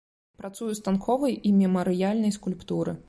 Працуе ў станковай і мемарыяльнай скульптуры.